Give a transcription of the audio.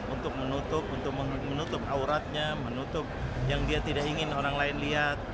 untuk menutup untuk menutup auratnya menutup yang dia tidak ingin orang lain lihat